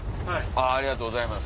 ありがとうございます。